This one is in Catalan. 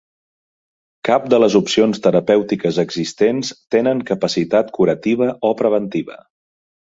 Cap de les opcions terapèutiques existents tenen capacitat curativa o preventiva.